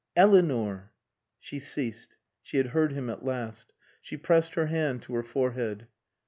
"Eleanor!" She ceased; she had heard him at last. She pressed her hand to her forehead.